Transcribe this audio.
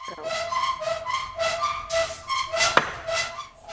Dvacet členských států má v současnosti nadměrné schodky.